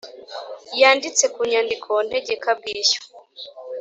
yanditse ku nyandiko ntegekabwishyu